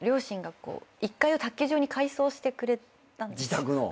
自宅の？